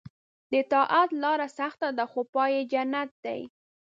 د طاعت لاره سخته ده خو پای یې جنت دی.